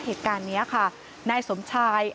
เหตุการณ์นี้ค่ะนายสมชาย